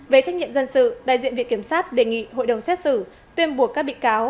về trách nhiệm dân sự đại diện viện kiểm sát đề nghị hội đồng xét xử tuyên buộc các bị cáo